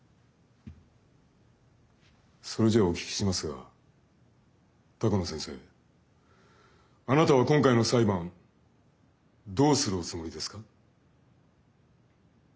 それじゃあお聞きしますが鷹野先生あなたは今回の裁判どうするおつもりですか？